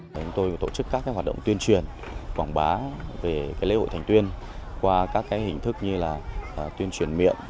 chúng tôi tổ chức các cái hoạt động tuyên truyền quảng bá về cái lễ hội thành tuyên qua các cái hình thức như là tuyên truyền miệng